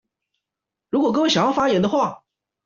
如果各位想要發言的話